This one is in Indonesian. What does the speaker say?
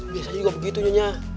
biasa juga begitu nyonya